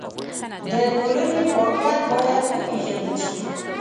د ټولنې واقعیت باید وپېژندل شي.